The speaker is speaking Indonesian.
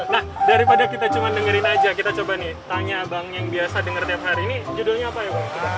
nah daripada kita cuma dengerin aja kita coba nih tanya abang yang biasa dengar tiap hari ini judulnya apa ya bang